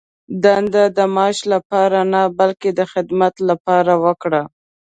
دنده د معاش لپاره نه، بلکې د خدمت لپاره یې وکړه.